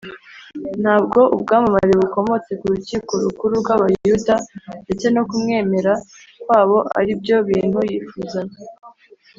” ntabwo ubwamamare bukomotse ku rukiko rukuru rw’abayuda ndetse no kumwemera kwabo ari byo bintu yifuzaga